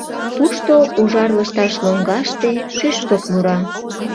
Тушто, ужар лышташ лоҥгаште, шӱшпык мура